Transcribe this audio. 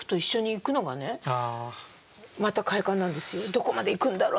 「どこまでいくんだろう？